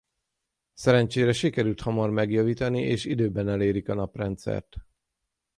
Szerencsére sikerül hamar megjavítani és időben elérik a naprendszert.